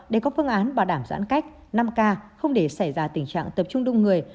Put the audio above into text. để có phương án bảo đảm giãn cách năm k không để xảy ra tình trạng tập trung đông người